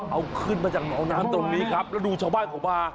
เอาขึ้นมาจากหนองน้ำตรงนี้ครับแล้วดูชาวบ้านเขามา